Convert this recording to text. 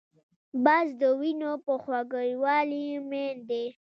باز د وینو په خوږوالي مین دی